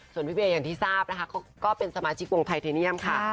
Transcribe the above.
ส่วนพี่เวย์อย่างที่ทราบนะคะก็เป็นสมาชิกวงไทเทเนียมค่ะ